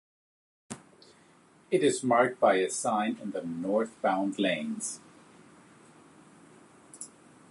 It is marked by a sign in the northbound lanes.